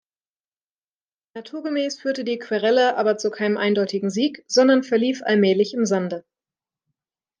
Naturgemäß führte die „Querelle“ aber zu keinem eindeutigen Sieg, sondern verlief allmählich im Sande.